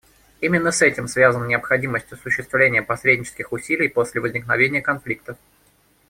Именно с этим связана необходимость осуществления посреднических усилий после возникновения конфликтов.